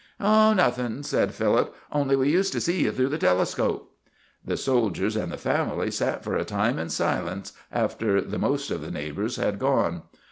"Oh, nothing," said Philip; "only we used to see you through the telescope." The soldiers and the family sat for a time in silence after the most of the neighbors had gone.